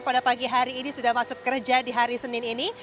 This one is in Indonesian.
pada pagi hari ini sudah masuk kerja di hari senin ini